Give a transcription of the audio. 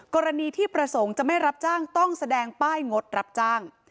กรณีที่ประสงค์จะไม่รับจ้างต้องแสดงป้ายงดรับจ้าง